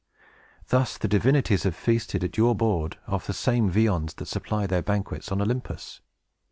Thus, the divinities have feasted, at your board, off the same viands that supply their banquets on Olympus.